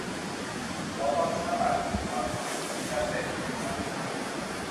ขอฟังก์ชันหลักคือทำแม็ป จะเสร็จในหนึ่งอาทิตย์ไหม